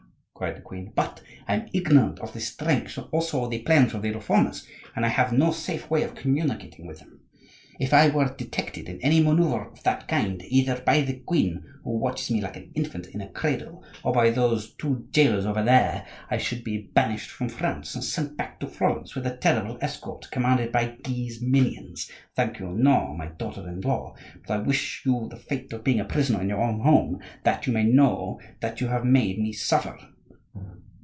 cried the queen, "but I am ignorant of the strength and also of the plans of the Reformers; and I have no safe way of communicating with them. If I were detected in any manoeuvre of that kind, either by the queen, who watches me like an infant in a cradle, or by those two jailers over there, I should be banished from France and sent back to Florence with a terrible escort, commanded by Guise minions. Thank you, no, my daughter in law!—but I wish you the fate of being a prisoner in your own home, that you may know what you have made me suffer."